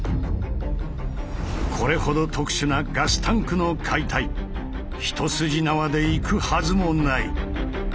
これほど特殊なガスタンクの解体一筋縄でいくはずもない。